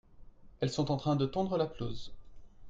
elles sont en train de tondre la pelouse.